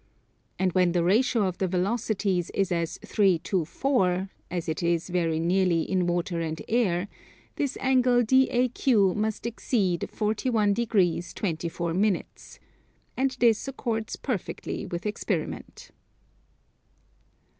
And when the ratio of the velocities is as 3 to 4, as it is very nearly in water and air, this angle DAQ must exceed 41 degrees 24 minutes. And this accords perfectly with experiment.